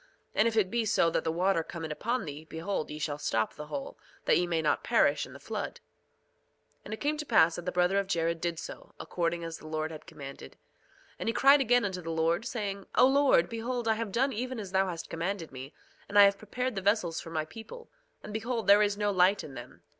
And if it be so that the water come in upon thee, behold, ye shall stop the hole, that ye may not perish in the flood. 2:21 And it came to pass that the brother of Jared did so, according as the Lord had commanded. 2:22 And he cried again unto the Lord saying: O Lord, behold I have done even as thou hast commanded me; and I have prepared the vessels for my people, and behold there is no light in them.